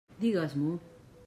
Digues-m'ho!